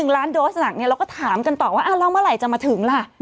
๑ล้านโดสหนักเราก็ถามกันต่อว่าแล้วเมื่อไหร่จะมาถึงล่ะ